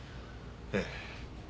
ええ。